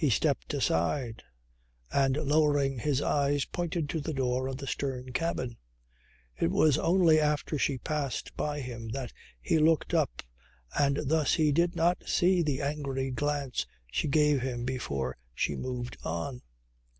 He stepped aside and lowering his eyes pointed to the door of the stern cabin. It was only after she passed by him that he looked up and thus he did not see the angry glance she gave him before she moved on.